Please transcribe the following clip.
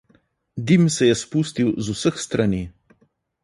Dim se je spustil z vseh strani.